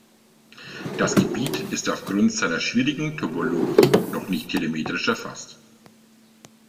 Das Gebiet ist aufgrund seiner schwierigen Topologie noch nicht telemetrisch erfasst.